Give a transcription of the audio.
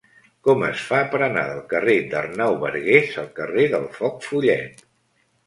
Com es fa per anar del carrer d'Arnau Bargués al carrer del Foc Follet?